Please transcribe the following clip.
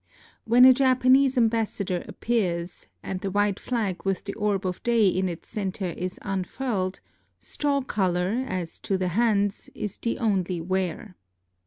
When a Japanese ambassador appears, and the white flag with the orb of day in its centre is unfurled, straw color, as to the hands, is the only wear.